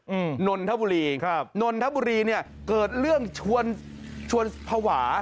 อืมนลทบุรีครับนลทบุรีเนี่ยเกิดเรื่องชวนภาวะ